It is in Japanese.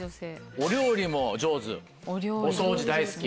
お料理も上手お掃除大好き。